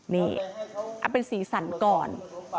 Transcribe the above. นี่เอาเป็นสีสันก่อน